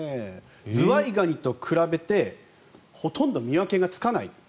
ズワイガニと比べてほとんど見分けがつかない。